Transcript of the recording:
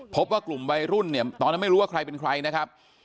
พบว่ากลุ่มวัยรุ่นเนี่ยตอนนั้นไม่รู้ว่าใครเป็นใครนะครับ